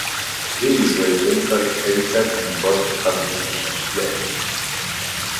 These were eventually edited and brought to publishing by Claire.